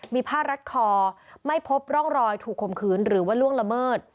มีผ้ารัดคอไม่พบร่องรอยถูกข่มขืนหรือว่าล่วงละเมิด